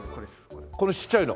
これちっちゃいの？